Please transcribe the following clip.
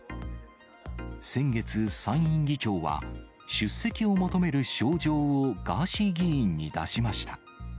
先月、参院議長は、出席を求める招状をガーシー議員に出しました。